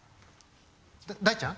大ちゃん？